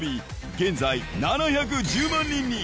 現在７１０万人に！